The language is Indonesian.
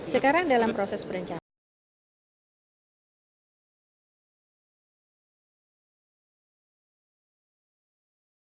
sekarang dalam proses perencanaan